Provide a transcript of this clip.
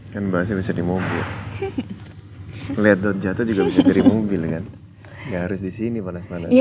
dan bahasa bisa di mobil lihat jatuh juga bisa dari mobil dengan garis di sini panas panas ya